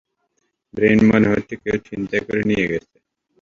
Brain মনে হচ্ছে কেউ ছিনতাই করে নিয়ে গেছে!